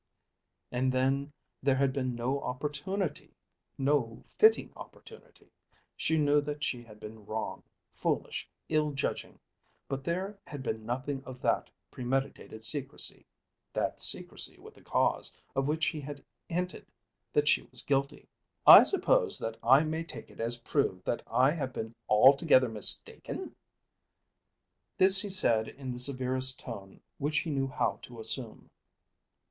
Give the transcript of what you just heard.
And then there had been no opportunity, no fitting opportunity. She knew that she had been wrong, foolish, ill judging; but there had been nothing of that premeditated secrecy, that secrecy with a cause, of which he had hinted that she was guilty. "I suppose that I may take it as proved that I have been altogether mistaken?" This he said in the severest tone which he knew how to assume.